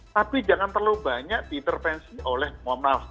tapi jangan terlalu banyak diintervensi oleh pemerintah